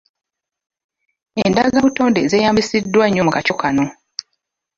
Enddagabutonde zeeyambisiddwa nnyo mu kakyo kano.